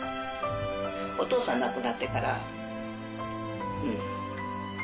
お父さん亡くなってからうん。